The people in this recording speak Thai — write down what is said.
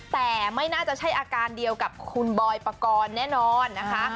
แต่ไม่น่าจะใช่อาการเดียวกับคุณบอยปกรณ์แน่นอนนะคะ